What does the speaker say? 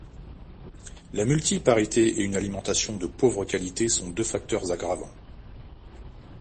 La multiparité et une alimentation de pauvre qualité sont deux facteurs aggravants.